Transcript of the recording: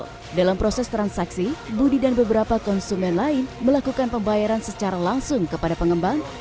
dalam proses transaksi budi dan beberapa konsumen lain melakukan pembayaran secara langsung kepada pengembang